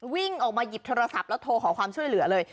วิ่งออกมาหยิบโทรศัพท์แล้วโทรขอความช่วยเหลือเลย